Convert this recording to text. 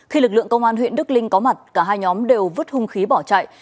khi lực lượng công an huyện đức linh có mặt cả hai nhóm đều vứt hung khí bỏ chạy